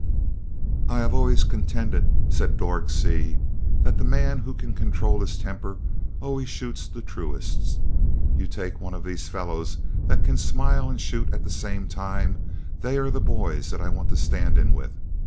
"I have always contended," said Dorg Seay, "that the man who can control his temper always shoots the truest. You take one of these fellows that can smile and shoot at the same time they are the boys that I want to stand in with.